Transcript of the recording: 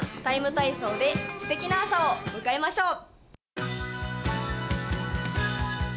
ＴＩＭＥ，体操」ですてきな朝を迎えましょう。